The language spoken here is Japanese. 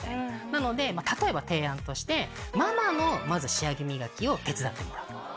なので例えば提案としてママのまず仕上げ磨きを手伝ってもらう。